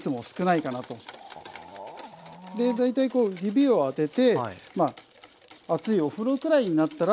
大体こう指を当てて熱いお風呂くらいになったら。